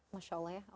masya allah ya